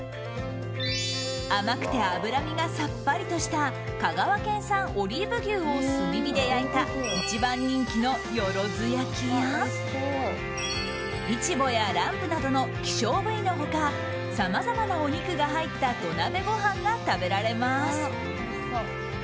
甘くて脂身がさっぱりとした香川県産オリーブ牛を炭火で焼いた一番人気のよろず焼きやイチボやランプなどの希少部位の他さまざまなお肉が入った土鍋ご飯が食べられます。